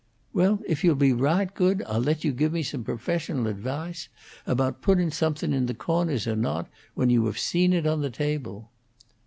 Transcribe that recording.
"Well, if you'll be raght good I'll let yo' give me some professional advass about putting something in the co'ners or not, when you have seen it on the table."